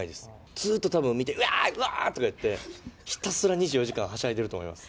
ずーっとたぶん見てて、うわー、うおーとか言ってひたすら２４時間、はしゃいでると思います。